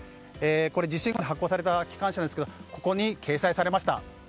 地震後に発行された機関誌ですがここに掲載されました。